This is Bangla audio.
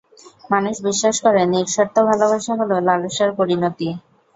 মানুষ বিশ্বাস করে, নিঃশর্ত ভালোবাসা হলো লালসার পরিণতি।